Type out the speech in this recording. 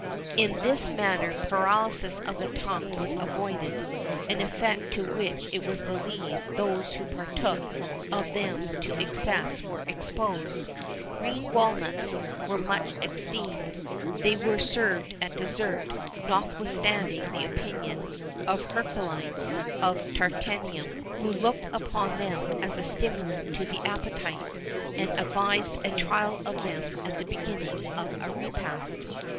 In this manner paralysis of the tongue was avoided an effect to which it was believed those who partook of them to excess were exposed.[XIV 22] Green walnuts were much esteemed; they were served at dessert,[XIV 23] notwithstanding the opinion of Heraclides, of Tarentum, who looked upon them as a stimulant to the appetite, and advised a trial of them at the beginning of a repast.